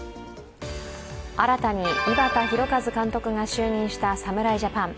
新たに井端弘和監督が就任した侍ジャパン。